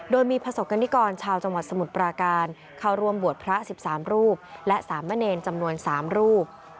โดยมีประสบกรณิกรชาวจังหวัดสมุทรปราการเข้าร่วมบวชพระ๑๓รูปและสามเณรจำนวน๓รูป